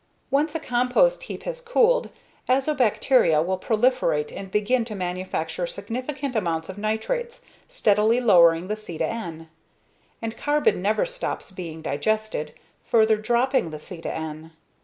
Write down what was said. Once a compost heap has cooled, azobacteria will proliferate and begin to manufacture significant amounts of nitrates, steadily lowering the C/N. And carbon never stops being digested, further dropping the C/N.